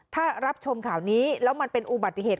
ถ้ารับชมข่าวนี้แล้วมันเป็นอุบัติเหตุ